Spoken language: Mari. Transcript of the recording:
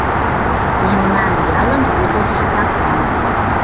Мемнан ялын ӱдыржӧ-влаклан